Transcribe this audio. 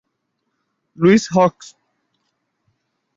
Louis Hawks.